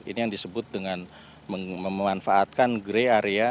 ini yang disebut dengan memanfaatkan grey area